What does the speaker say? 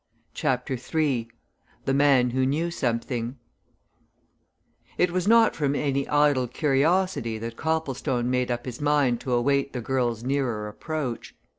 CHAPTER III THE MAN WHO KNEW SOMETHING It was not from any idle curiosity that Copplestone made up his mind to await the girl's nearer approach.